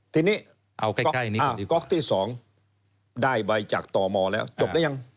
ทีนี้ก๊อกที่๒ได้ใบจากตมแล้วจบหรือยัง